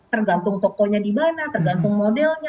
tergantung tokonya di mana tergantung modelnya